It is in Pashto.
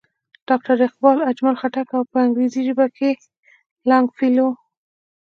ډاکټر اقبال، اجمل خټک او پۀ انګريزي ژبه کښې لانګ فيلو